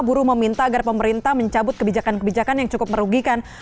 buruh meminta agar pemerintah mencabut kebijakan kebijakan yang cukup merugikan